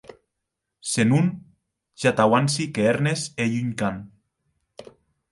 Se non, ja t'auanci que Hermes ei un can.